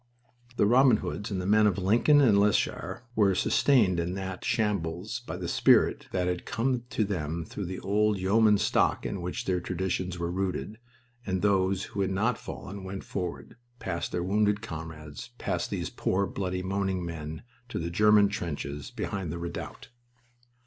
The Robin Hoods and the men of Lincoln and Leicestershire were sustained in that shambles by the spirit that had come to them through the old yeoman stock in which their traditions were rooted, and those who had not fallen went forward, past their wounded comrades, past these poor, bloody, moaning men, to the German trenches behind the redoubt.